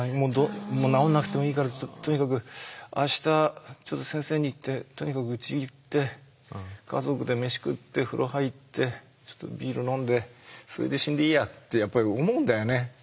もう治んなくてもいいからとにかく明日ちょっと先生に言ってとにかくうち行って家族で飯食って風呂入ってちょっとビール飲んでそれで死んでいいや」ってやっぱり思うんだよね。